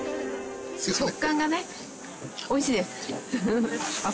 食感がね美味しいです。